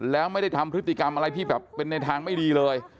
แล้วไม่ได้ทำพฤติกรรมอะไรที่แบบเป็นในทางไม่ดีเลย